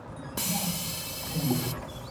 你收皮啦